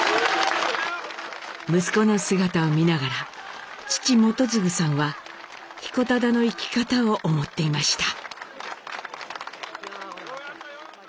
息子の姿を見ながら父基次さんは彦忠の生き方を思っていました。